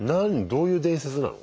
どういう伝説なの？